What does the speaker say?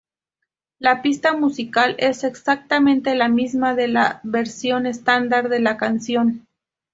La pista musical es exactamente la misma de la versión estándar de la canción.